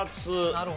なるほど。